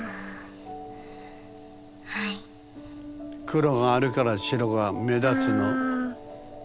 黒があるから白が目立つの。